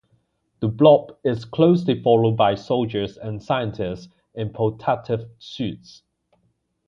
The Blob is closely followed by soldiers and scientists in protective suits.